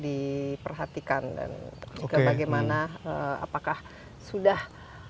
diperhatikan dan juga bagaimana apakah sudah